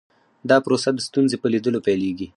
دا پروسه د ستونزې په لیدلو پیلیږي.